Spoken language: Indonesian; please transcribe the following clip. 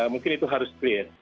mungkin itu harus clear